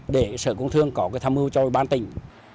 để sở công thương có tham mưu cho ủy ban tỉnh